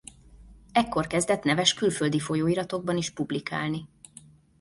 Ekkor kezdett neves külföldi folyóiratokban is publikálni.